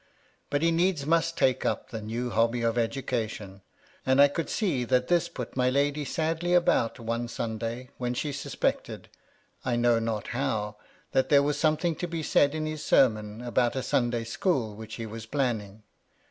But he needs must take up the new hobby of education ; and I could see that this put my lady sadly about one Sunday, when she suspected^ I know not how, that there was something to be said in his sermon about a Sunday school which he was planning.